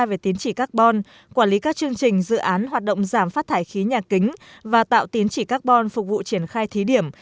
về tiến trị carbon quản lý các chương trình dự án hoạt động giảm phát thải khí nhà kính và tạo tín chỉ carbon phục vụ triển khai thí điểm